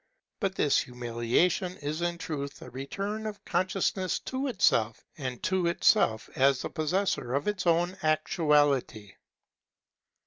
But this humiliation is in truth a return of consciousness to itself, and to itself as the possessor of its own actuality.